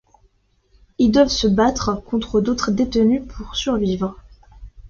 Il doit se battre contre d'autres détenus pour survivre.